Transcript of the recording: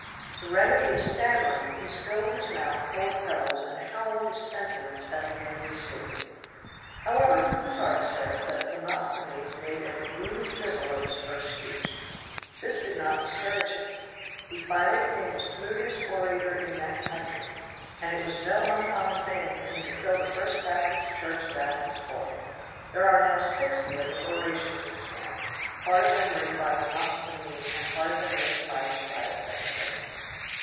To remedy his stammering, he filled his mouth full of pebbles and howled his sentiments at the angry sea. However, Plutarch says that Demosthenes made a gloomy fizzle of his first speech. This did not discourage him. He finally became the smoothest orator in that country, and it was no uncommon thing for him to fill the First Baptist Church of Athens full. There are now sixty of his orations extant, part of them written by Demosthenes and part of them written by his private secretary.